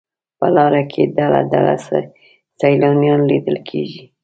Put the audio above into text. په لاره کې ډله ډله سیلانیان لیدل کېږي.